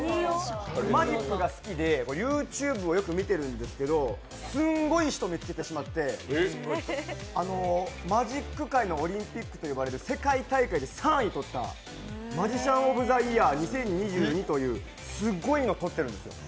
マジックが好きでＹｏｕＴｕｂｅをよく見てるんですけどすんごい人を見つけてしまって、マジック界のオリンピックといわれる世界大会で３位をとったマジシャン・オブ・ザ・イヤー２０２２というすごいのを取ってるんですよ。